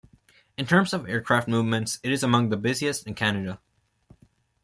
In terms of aircraft movements, it is among the busiest in Canada.